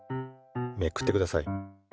めくってください。